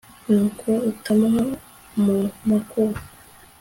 n'uko utawuhana mu makuba